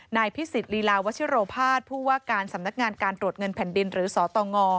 นายพิสิทธิลีลาวัชิโรภาษผู้ว่าการสำนักงานการตรวจเงินแผ่นดินหรือสตง